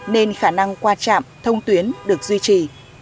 nên khả năng qua trạm thông tuyến được duy trì